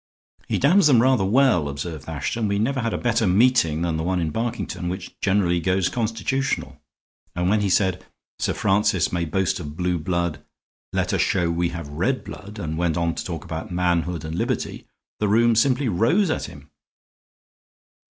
"He damns them rather well," observed Ashton. "We never had a better meeting than the one in Barkington, which generally goes Constitutional. And when he said, 'Sir Francis may boast of blue blood; let us show we have red blood,' and went on to talk about manhood and liberty, the room simply rose at him."